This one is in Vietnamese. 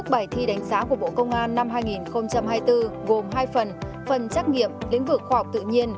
bài thi đánh giá của bộ công an năm hai nghìn hai mươi bốn gồm hai phần phần trắc nghiệm lĩnh vực khoa học tự nhiên